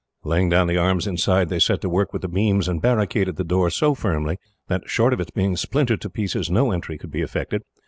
Laying down the arms inside, they set to work with the beams, and barricaded the door so firmly that, short of its being splintered to pieces, no entry could be effected.